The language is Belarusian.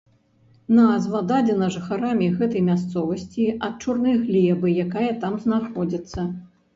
Назва дадзена жыхарамі гэтай мясцовасці ад чорнай глебы, якая там знаходзіцца.